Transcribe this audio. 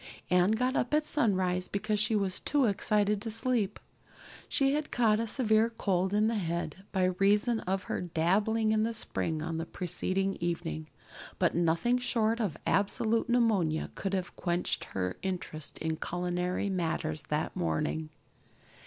Anne got up at sunrise because she was too excited to sleep. She had caught a severe cold in the head by reason of her dabbling in the spring on the preceding evening; but nothing short of absolute pneumonia could have quenched her interest in culinary matters that morning.